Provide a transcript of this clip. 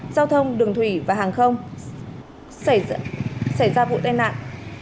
giao thông đường thủy và hàng không xảy ra vụ tai nạn